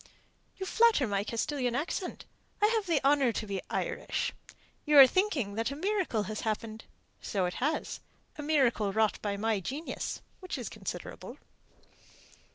"You flatter my Castilian accent. I have the honour to be Irish. You were thinking that a miracle had happened. So it has a miracle wrought by my genius, which is considerable."